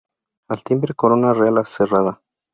Al timbre Corona Real cerrada.